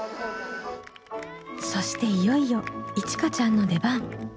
そしていよいよいちかちゃんの出番。